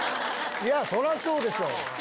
そりゃそうでしょ。